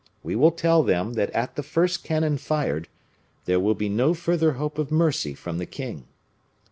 We will tell them that at the first cannon fired, there will be no further hope of mercy from the king.